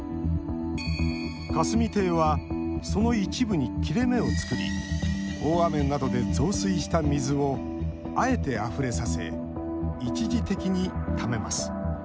霞堤は、その一部に切れ目を作り大雨などで増水した水をあえて、あふれさせ一時的にためます。